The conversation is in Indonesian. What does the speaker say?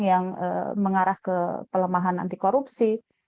yang mengarah ke pelemahan anti korupsi